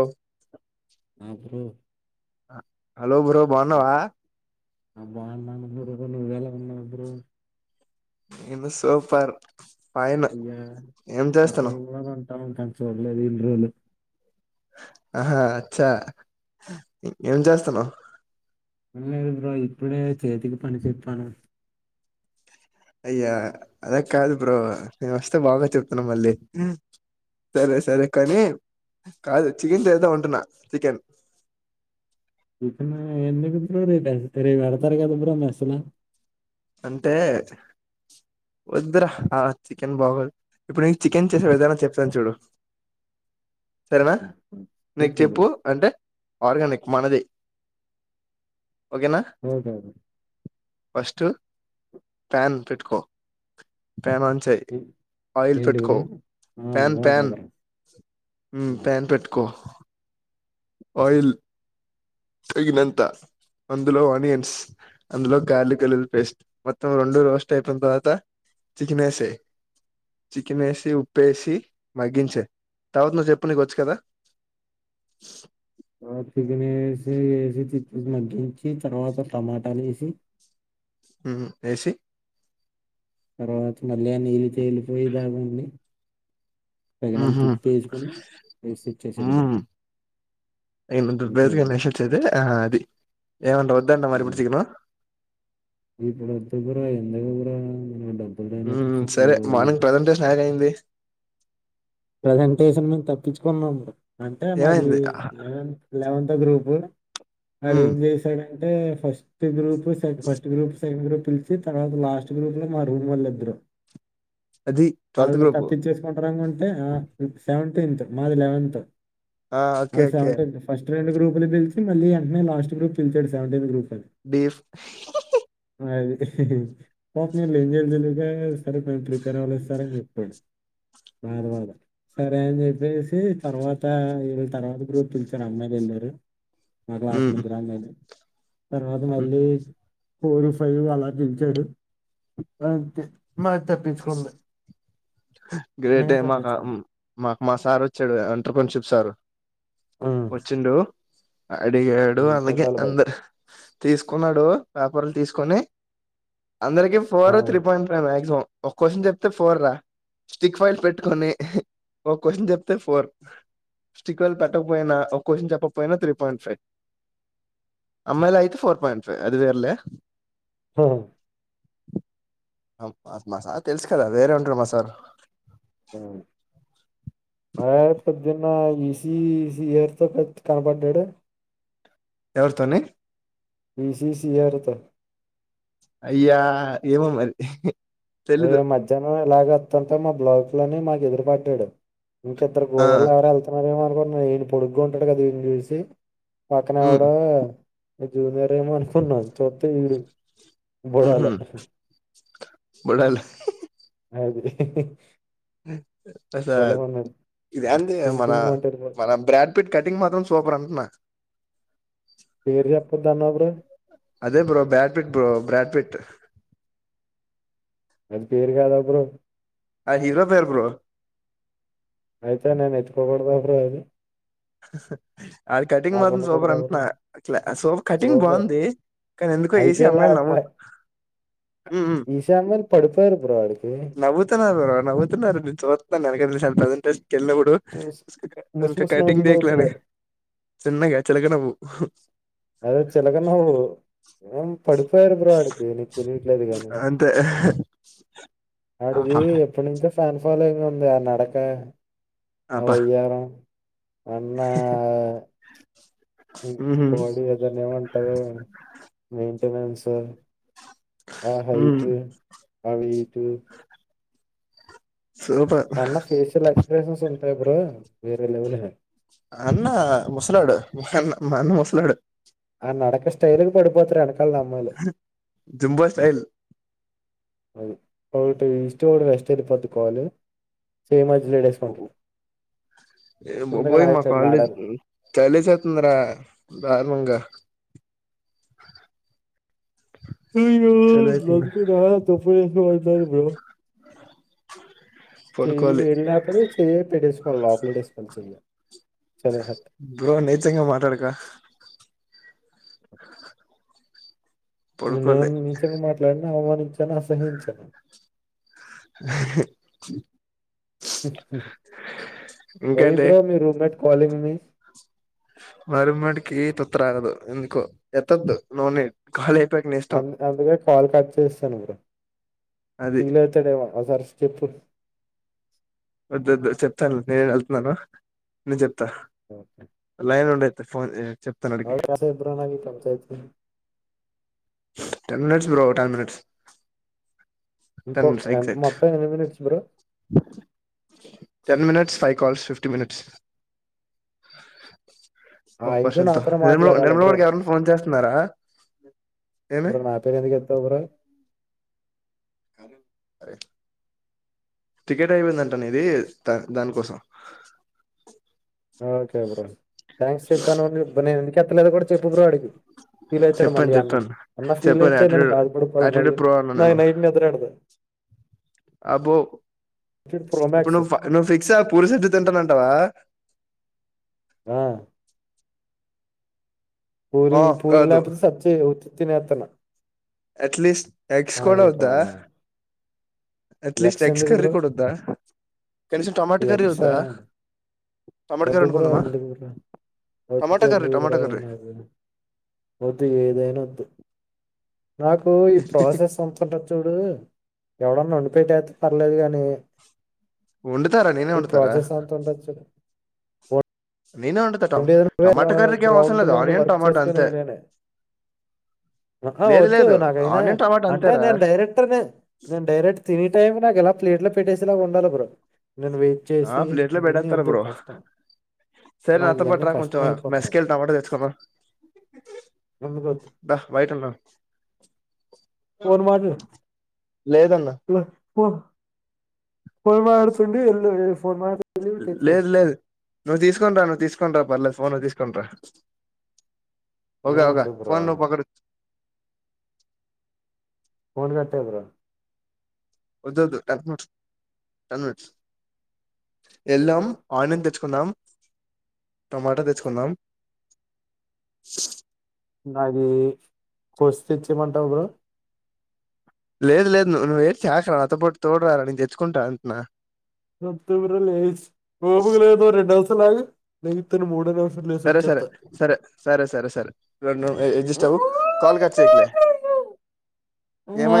ఓ ఆ bro hello bro బాన్నవా నువ్వు ఎలా ఉన్నావ్ బ్రో నేను సూపర్ ఫైన్ ఓయ్య ఏం పక్క చేస్తున్నావ్ రూమ్ లోనే ఉంటాం కానీ చూడలేదు ఇన్నీ రోజులు ఆహా అచ్చా ఏం చేస్తాన్నావ్ లేదు బ్రో ఇప్పుడే చేతికి పని చెప్పాను అయ్యా అద కాదు బ్రో మేము వస్తే బాగా చెప్తున్నాం మళ్ళీ సరే సరే కానీ కాదు చికెన్ చేద్దాం ఉంటున్నా చికెన్ ఇప్పు ఎందుకు రేపు రేపు అడతర కాదుపు మెసలే అంటే ఒద్దర చికెన్ బాగోలు ఇప్పుడు నీకు చికెన్ చేసే విధానం చెప్తాను చూడు సరేనా నీకు చెప్పు అంటే ఆర్గానిక్ మనది ఆహ ఫస్టు ఫ్యాన్ పెట్కో ప్యాన్ ఆన్ చేయ్ ఏ- ఆయిల్ ఏంటి పేట్ కో బ్రో ఆ, pan okay pan bro pan పెట్టుకో ఆయిల్ తగినంత అందులో ఆనియన్స్ అందులో గార్లిక్ అల్లులి పేస్ట్ మొత్తం రెండు రోస్ట్ అయిపోయిన తర్వాత చేకినేసి చికెన్ వేసి ఉప్పుేసి మగ్గించే తర్వాత నువ్వు చెప్పు నీకు వచ్చు కదా తవా చిగ వేసి వేసి తి మగ్గించి తర్వాత టమాటాలు వేసి ఏసి తర్వాత మళ్ళీ నీలి తేలిపోయి దాగుండి హ హ వేసి ఇచ్చేసాడు బ్రో అంతే ఇసుగా బ్రో నిించది ఆ అది ఏంట ఉదారణ మా పడుచకు ఇప్పుడుద్ద గురా ఎంతక కూడారా ఉంట ఉ సరే మార్నింగ్ ప్రజెంటే స్నాక్ అయింది ప్రసెంటేషన్ మేము తప్పించుకున్నాం అంటే మాది ఏమైంది లెవెన్ లెవెన్ గ్రూప్ వాడ ఉమ్ ఏం చేశాడంటే first group first group second group పిలిచి తర్వాత లాస్ట్ రూమ్ లో మా రూమ్ వాళ్ళ ఇద్దరు అది ట్వెల్త్ వాళ్ళు గ్రూప్ తప్పించేసుకుంటానుర సెవటిన్త్ మాది లెవన్త్ ఆ ఓకే మాది ఓకే సెవటిన్త్ ఫస్ట్ రెండు గ్రూ పిలిచి మళ్ళీ అంటనే దస్ట్ గ్రూప్ పిలిచడు సెవెటిన్ గ్రూప్ అని బీఫ్ పా మీ ఏం జల్ జలుగా సరే ప్రిపేర్ అవ్వలే ఇస్తార అని చెప్పండు [inaudible] బధవాద సరే అని చెప్పేసి తర్వాత వీళ తర్వాత గ్రూప్ పిలిచారు అమ్మాయిలు వెళ్ళరు మా క్లాస్ ఉమ్ ముగ్గురు అమ్మాయిలు తర్వాత మళ్ళీ ఫోర్ ఫైవ్ అలా పిలిచాడు మ మాది తప్పించుకోండి గ్రేట్ే మాకు మాకు మా సార్ వచ్చాడు ఎంటర్పన్షిప్ సార్ హ్మ్. వచ్చిండు అడిగాడు హ్మ్. అలాగే గడ్డాల భయం. అందరు తీసుకున్నాడు పేపర్లు తీసుకు కుని అందరికి ఆ! Four three point five maximum ఒక క్వశ్చన్ చెప్తే ఫోర్ రా స్టిక్ ఫైల్ పెట్టుకొని ఒక క్వశ్చన్ చెప్తే ఫోర్ స్టికర్లు పెట్టకపోయినా ఒక క్వశ్చన్ చెప్పకపోయినా త్రీ పాయింట్ ఫైవ్ అమ్మాయి అయితే ఫోర్ పాయింట్ ఫైవ్ అది వేర్లే హ అత్ మా సార్ తెల్సు కదా వేరే ఉంట్రమ్ మా సార్ మ పొద్దున్న ఈసి సీయర్తో పె కనపడ్డాడు ఎవల్తోనే బిసిస అర్తో అయ్యా ఏమ మరి తెలీదు మ మధ్యాహ్నం ఇలాగ వస్తుంటో మా బ్లాక్ లోని మాకు ఎదురు పట్టాడు ఇంక ఇద్దరు ఆ గోదూరులు ఎవరు వెళ్తున్నారేమో అనుకుంటన్నా నేను పొడుగు ఉంటాడు కదా ఈని చూసి పక్కన ఉమ్ ఎవడ జూనియర్ ఏమో అనుకున్నాను చూస్తే వీడు [unintelligible] బడాల అ తస ఇది అ టింగ్ మన టింగ్ అంటాడు మన బ్రాడ్ పీట్ కటింగ్ మాత్రం సూపర్ అంటున్నా పేరు చెప్పొద్దు అన్నావు బ్రో అదే బ్రో బ్రాడ్పిిట్ బ్రో బ్రాడ్పిిట్ అది పేరు కాదా బ్ర ఆ హీరో పేరు బ్రో అయితే నేను [unintelligible] అది కటింగ్ నాకు మాత్రం సూపర్ ఉండకూడదా బ్రో అంటున్నాలా సూపర్ కటింగ్ సూపర్ బాగుంది కానీ ఎందుకో ఏసీ అమ్మాయిలు నమ్మువుతా ఈ సారి మరి పడిపోయింది నవవుతున్నారు బ్రో నవవుతున్నారును నేను చూస్తున్నారు కెల్ బడు చూసి ముసి ముసి కటింగ్ నవ్వులు దలేనే నవ్వుతున్నారు చిన్నగా చిలక నవు అదే చిలక నవ్వు పడిపోయారు బ్రో ఆడికి నీకు తలియట్లేదు గాని అంతే ఆడికి ఆహా ఎప్పు నుంద ఫ్యాన్ ఫాలోయింగ్ ఉంది ఆ నడక అబ్బా వెయ్యారం అన్న ఉహు పోడీ ఏదన్న ఉంటారు మెయింటెనెన్స్ ఆహా ఉమ్ ఇటు అటు ఇటు సూపర్ అన్న ఫేషియల్ ఎక్స్ప్రెషన్స్ ఉంటాయి బ్రో వేరే లెవలే అన్న ముసలాడు మాన్న మా అన్న ముసలాడు ఆ నడక స్టైల్ పడుపోతాడు అక్క అమ్మాలు జుంబో స్టైల్ అ అ ఈస్ట్ వెస్ట్ వెళ్ళిపొండి కాల్ పెటీసికం ఏ బాబోయ్మా కాలజ్ చాలసతుందరా దారుణం గా అయ్యో దకి తప్పు చెయ్యి పడుకోవాలి వెళ్ళినప్పుడు చెయ పెట్టేసుకోవాలి లోపలేట్టేసుకోవాలి చెయ్యి చాలా హ్యాపీ. బ్రో నీచం గా మాట్లాడక న పడుకోలే నేను నిజంగా మాట్లాడిను అవమానించాను అసహించాను వై ఇంకంటే బ్రో మీ రూమ్మెట్ కాలంగ్ మీ మర మడ్కి తొత్ర అగదు ఎంతకు ఎత్తదు నోనె కాాల అ అందుకే కాల్ కట్ చేస్తాను మీ అది ఫెల్ అవుతాడు ఏమో వ చెప్తాను నేను వెళ్తున్నాను నను చెప్తా లైన్ ఉండ ఫోన్ చెప్తాను అడికి ఏంటి బ్రో ఈ panchayat ten minutes bro ten minutes ట ఇంకో ఎంత ఎజెక్ట్ మొత్తం ఎన్ని minutes bro ten minutes five calls fifty minutes ఆ ఒక ఐదు క్వశ్చన్ త నాతోనే నిర్మ మాట్లాడాలా నిర్మల ఓడికి ఎవరైన ఫోన్ చేస్తున్నారా ఏమి ఇప్పుడు నా పేరు ఎందుకు ఎత్తావ్ బ్రో కానీ అరే టికెట్ అయిపోయిందంట నీది ద దానికోసం ఓకే బ్రో థ్యాంక్స్ చెప్పాను నేను ఎందుకెత్తలేదు కూడా చెప్పు బ్రో అడికి ఫీల్ అవుతాడు మళ్ళీ చెప్పాను అన్న చెప్పాను అన్న ఫీల్ చెప్పాను అయితే నేను యాటిట్యూడ్ బాధపడిపోల యాటిట్యూడ్ మళ్ళీ ప్రో అన్నా నాకు నేను నైట్ నిద్ర ఎదరాదు అబ్బో ఇప్పుడు ఇప్పుడు ప్రోమాక్స్ నువ్వు నువ్వు ఫిక్స్ పూరి షద్ధి తింటానంటావా ఆ పూరి ఆ కాదు పూరిలపోతే సచ్చి ఉత్తిది తినేతన అట్లీస్ట్ ఎగ్స్ కూడా వద్దా అట్లీస్ట్ ఎగ్స్ ఎందుకు కర్రీ బ్రో కూడొద్ద కనీసం టొమాట కర్రీ ఎగ్స్ వద్ద వద్దు బ్రో ఎందుకు ఊరిక టమాటా కర్రీ టమాటా కర్రీ [unintelligible] వద్దు ఏదైనా వద్దు నాకు ఈ ప్రాసెస్ అంత ఉంటది చూడు ఎవడన్నా వండి పెట్టేస్తే పర్లేదు గాని వండుతారా నేనే ఈ వండుతారా ప్రోసెస్ అంతఉంటది చూడు నేనే వండుతా ట వండేది నువ్వే అలా టమాటా కర్రకి ఏం అవసరం గ్రౌండ్ లేదు లో ఉండి ఆనియన్ వర్క్ టమాటా అంతే ఆ హ లేదు వద్దు లేదు నాకైనా ఆనియన్ టమాటా అంటే అంతేరా నేను డైరెక్ట్ నేను డైరెక్ట్ తిన టైమ్ నాకలా ప్లేట్ లో పెట్టేసే లాగా ఉండాల బ్రో నేను వెయిట్ ఆ చేసి ప్లేట్ లో ఇవన్ని పెడేస్తారు వద్దు బ్రో కష్టం సరే నాకు నాతో ఇవన్నీ పాటు రా కొంచం కష్టం మెస్ అయిపోతున్నాయి కెళ్ళి టమాట తెచ్చుకుందాం ఎందుకు వద్దు బయటవున్నా ఫోన్ మాటలు లేదన్న పో ఫోన్ మాట్లాడుతుండు ఎళ్లు లేదు లేదు నువ్వు తీసుకోని రా నువ్వు తీసుకోని రా పర్లేదు ఫోన్ తీసుకొనిరా ఒకే ఏం ఓకే వద్దు బ్రో ఫోన్ పక్కడు ఫోన్ కట్టే బ్రో వద్దు వద్దు [unintelligible] ఎల్లం ఆనియన్ తెచ్చుకున్నాం టమాటా తెచ్చుకున్నాం నాకి కోస్ తెచ్చియమంటావా బ్రో లేదు లేదు నువ్వు [unintelligible] నాతోపాటు తోడు రారా నేను తెచ్చుకుంటా అంటున్నా రేపు తొందరగా లేసే ఓపిక లేదు [unintelligible] లెగిస్తాను మూడో నిమిషం లేసి సరే సరే వచ్చేత్తా సరే సరే సరే సర ఎడ్జస్ట్ అవు కాల్ కట్ చేయకులే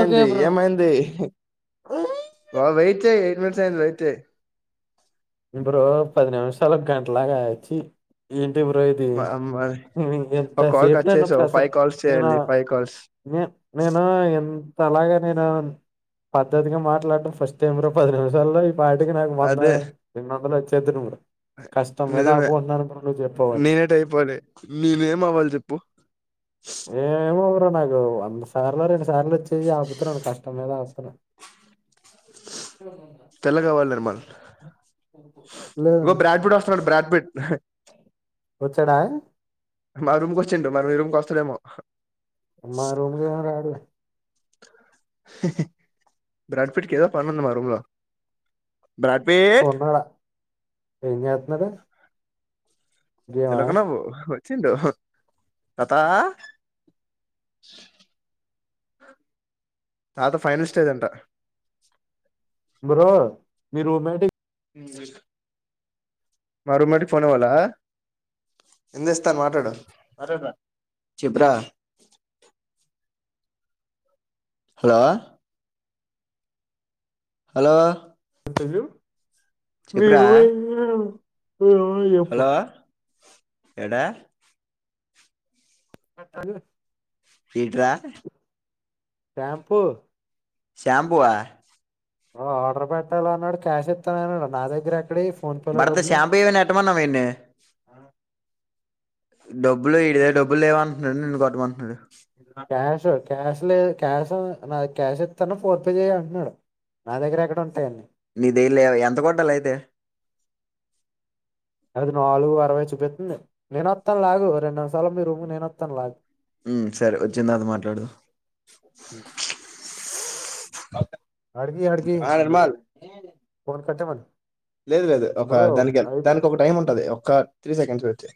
ఓకే బ్రో ఏమైంది వా వెయిట్ అంతే ఎయిట్ మినిట్స్ అయింది రైట్ బ్రో పది నిమిషాలు ఒక గంటలాగా ఛీ ఏంది బ్రో ఇది హు ఎంత ఒక కాల్ సేపు కట్ నన్ను చేసావు ప్రస ఫైవ్ కాల్స్ నేను చేయాలి ఫైవ్ కాల్స్ నే నేను ఎన్ అలాగే నేను పద్దతిగా మాట్లాడం ఫస్ట్ టై బ్రో పది నిముషాలు జోల్లో ఈ పాటికి నాకు వంద అదే ఎమి వందలు ఇచ్చేదురు అన్నమాట కష్టం మీద నిజమే ఆపుకుంటున్నాను ఇప్పుడు నువ్వు చెప్పవని నేనేట్ అయిపోలే నేనేం అవ్వాలి చెప్పు ఏమో ఇప్పటికి నాకు వంద సార్లో రెండు సార్లు వచ్చేయ్ ఆపుతున్నన్ కష్టమీద ఆపుతున్న తెల్లగా అవ్వాలి నిర్మల్ ఇగో లేదన్న బ్రాడ్ బీడ్ వస్తున్నాడు బ్రాడ్ బీడ్ వచ్చాడా మా రూమ్కి వచ్చిండు మరి మీ రూమ్కి వస్తడెమో మా రూంకి ఏమి రాడు బడ్ ఫీట్కి ఏదో పనుంది మా రూంలో [unintelligible] ఎం చేతునడు చిలక నవ్వు చింట కథ తాత ఫైనల్ స్టేజ్ అంట బ్రో మీ [unintelligible] మా రూమ్మేట్ కి ఫోన్ చేయమంటావ ఎంతేస్తాను మాట్లాడు చిబ్రా హలో హలో చెప్పురా వివ వివప్పుడు హలో ఎడా పట్టను ఏంట్రా చెప్పు షాంబుఆ ఓ ఆర్డర్ పెట్టాల అన్నాడు క్యాష్ ఇస్తాను అన్నాడు నా దగ్గర ఎక్కడ బడతే షాంపూమనాటమన్నామన్ని డబ్బులు ఇడిదైల డబ్బులు లేవంటున్నా నన్ను కొట్టమంటున్నాడు కసత్ క్యాష్ లే క్యాష్ నా క్యాష్ ఇస్తాను ఫోన్పే చేయి అంటున్నాడు నా దగ్గర ఎక్కడ ఉంటాయిన్నీ నీ దేలే ఎంత కొట్టాల అయితే అది నాలుగు అరవై చూపిస్తుంది నేను వస్తాను లాగు రెండు నిమిషాలు మీ రూమ్ నేను వస్తాను లాగు సరే వచ్చి తర్త మాట్లాడదు అడ్కి అడకి ఆ నిర్మల్ ఫన్ కట్ట మన లేదు లేదు ఒక దానికి దానికి ఒక టైం ఉంటది ఒక త్రీ సెకండ్స్ పెడితే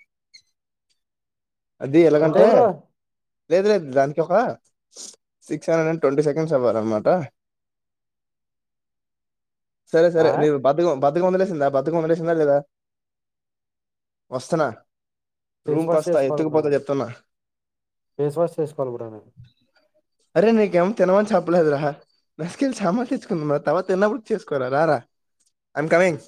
అది కట్టే ఎలాగంటే బ్రో లేదు లేదు దానికి ఒక six hundred and twenty seconds అవ్వారు అన్నమాట సరే సరే నవ బతుకు బద్దకం వదిలేసిందా బద్దకం వలేసిందా లేదా వస్తనా ఫేస్ వాష్ చేసుకోవాలి కూడానడి ఫేస్ వాష్ చేసుకోవాలి కూడానది అరే నీకు [unintelligible] చెలేదు రా నకెళ్ళి సమతిచుకుంద మ తవాత ఎన్న బర్ చేసుకోరా రాారా ఐమ్ కమింగ్